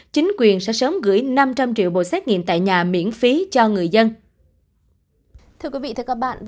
chính quyền sẽ sớm gửi năm trăm linh triệu bộ xét nghiệm tại nhà miễn phí cho người dân